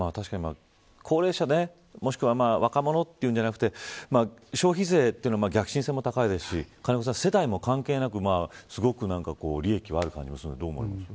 高齢者、もしくは若者というんじゃなくて消費税というのは逆進性も高いですし、世代も関係なく利益はある感じがしますがどう思いますか。